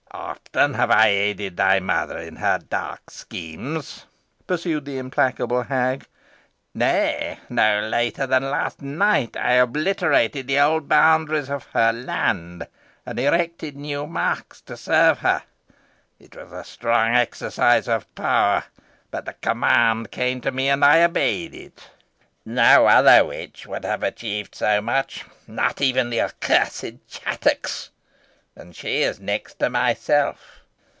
"Often have I aided thy mother in her dark schemes," pursued the implacable hag; "nay, no later than last night I obliterated the old boundaries of her land, and erected new marks to serve her. It was a strong exercise of power; but the command came to me, and I obeyed it. No other witch could have achieved so much, not even the accursed Chattox, and she is next to myself.